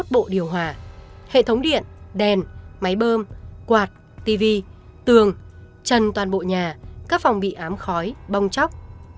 một bộ điều hòa hệ thống điện đèn máy bơm quạt tv tường chân toàn bộ nhà các phòng bị ám khói bong chóc